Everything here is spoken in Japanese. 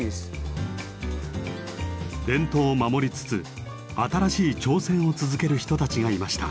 伝統を守りつつ新しい挑戦を続ける人たちがいました。